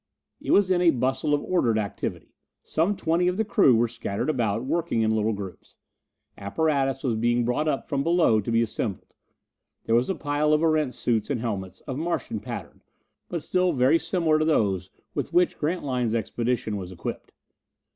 It was in a bustle of ordered activity. Some twenty of the crew were scattered about, working in little groups. Apparatus was being brought up from below to be assembled. There was a pile of Erentz suits and helmets, of Martian pattern, but still very similar to those with which Grantline's expedition was equipped.